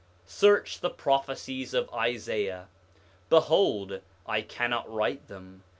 8:23 Search the prophecies of Isaiah. Behold, I cannot write them.